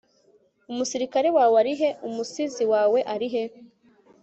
Umusirikare wawe ari he Umusizi wawe ari he